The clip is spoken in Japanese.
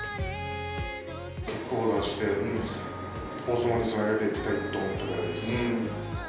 結果を出して、大相撲につなげていきたいと思っています。